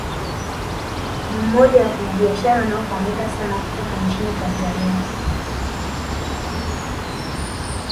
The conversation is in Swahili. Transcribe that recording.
Ni mmoja wa wafanyabiashara wanaofahamika sana kutoka nchini Tanzania